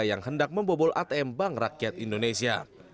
yang hendak membobol atm bank rakyat indonesia